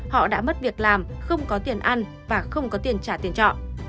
họ đã mất việc làm không có tiền ăn và không có tiền trả tiền trọ